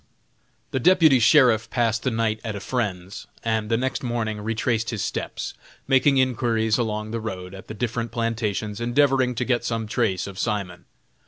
The Deputy Sheriff passed the night at a friend's, and the next morning retraced his steps, making inquiries along the road at the different plantations, endeavoring to get some trace of Simon.